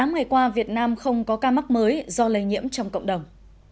một mươi ngày qua việt nam không có ca mắc mới do lây nhiễm trong cộng đồng